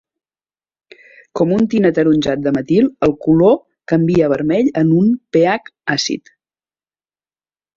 Com un tint ataronjat de metil, el color canvia a vermell en un pH àcid.